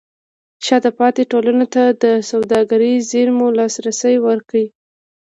شاته پاتې ټولنې ته د سوداګرۍ زېرمو لاسرسی ورکړئ.